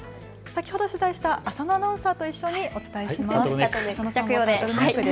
先ほど取材した浅野アナウンサーも一緒にお伝えします。